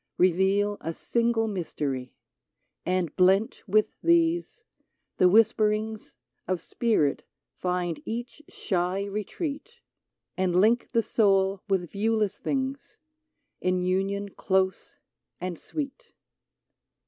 Reveal a single mystery : And blent with these, the whisperings Of spirit find each shy retreat, 82 UNITED And link the soul with viewless things, In union close and sweet.